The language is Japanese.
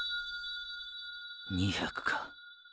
２００か。